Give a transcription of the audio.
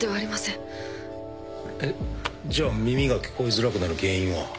えっじゃあ耳が聞こえづらくなる原因は？